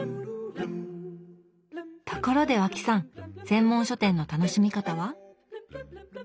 ところで和氣さん専門書店の楽しみ方は？